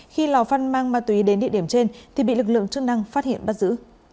khi lò phân mang ma túy đến địa điểm trên thì bị lực lượng chức năng phát hiện bắt giữ